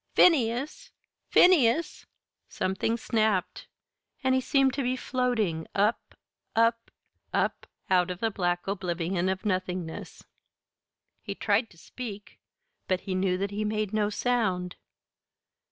"Phineas! Phineas!" Something snapped, and he seemed to be floating up, up, up, out of the black oblivion of nothingness. He tried to speak, but he knew that he made no sound.